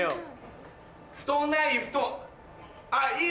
布団ない？